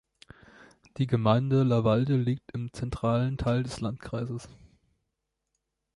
Die Gemeinde Lawalde liegt im zentralen Teil des Landkreises.